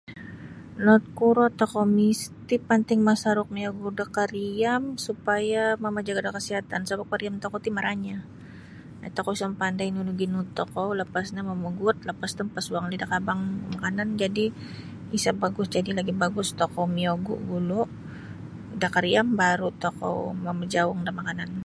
Notkuro tokou misti panting masaruk miyogu da kariam supaya mamajaga da kasihatan sebap kariam tokou ti maranyah um tokou isa mapandai nunu ginuut tokou lapas no mamaguut lapas no mapasuang lagi da kabang makanan jadi isa bagus jadi lagi bagus tokou miyogu gulu da kariam baru tokou mamajaung da makanan.